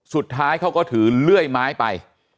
สุดท้ายเขาก็ถือเลื่อยไม้ไป